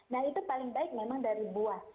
nah itu paling baik memang dari buah